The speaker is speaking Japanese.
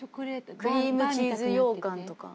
クリームチーズ羊かんとか。